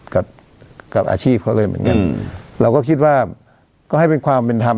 กับกับอาชีพเขาเลยเหมือนกันเราก็คิดว่าก็ให้เป็นความเป็นธรรม